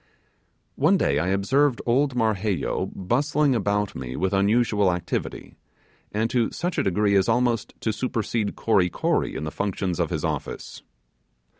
One day I observed old Marheyo bustling about me with unusual activity, and to such a degree as almost to supersede Kory Kory in the functions of his office.